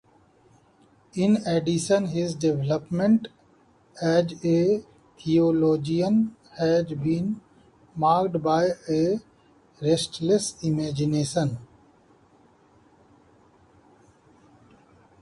In addition, his development as a theologian has been marked by a restless imagination.